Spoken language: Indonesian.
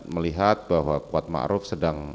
melihat bahwa kuat ma'ruf sedang